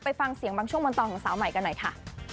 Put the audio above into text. ฟังเสียงบางช่วงบนตอนของสาวใหม่กันหน่อยค่ะ